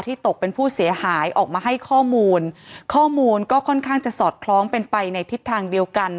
ตกเป็นผู้เสียหายออกมาให้ข้อมูลข้อมูลก็ค่อนข้างจะสอดคล้องเป็นไปในทิศทางเดียวกัน